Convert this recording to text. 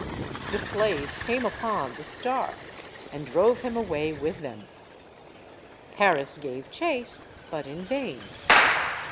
The slaves came upon The Star and drove him away with them. Paris gave chase, but in vain.